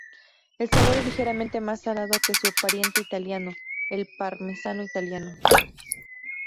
El sabor es ligeramente más salado que su pariente italiano, el parmesano italiano.